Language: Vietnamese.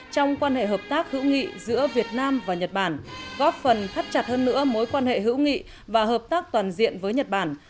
trong quan hệ hợp tác hữu nghị giữa việt nam và nhật bản góp phần thắt chặt hơn nữa mối quan hệ hữu nghị và hợp tác toàn diện với nhật bản